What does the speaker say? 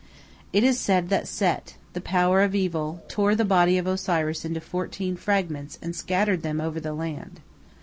It is said that Set, the power of Evil, tore the body of Osiris into fourteen fragments and scattered them over the land.